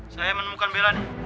saya menemukan bella nih